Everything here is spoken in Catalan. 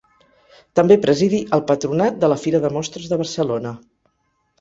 També presidí el patronat de la Fira de Mostres de Barcelona.